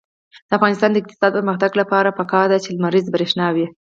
د افغانستان د اقتصادي پرمختګ لپاره پکار ده چې لمریزه برښنا وي.